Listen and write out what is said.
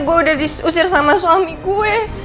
gue udah diusir sama suami gue